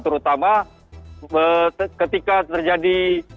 terutama ketika terjadi